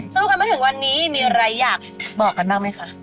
กันมาถึงวันนี้มีอะไรอยากบอกกันบ้างไหมคะ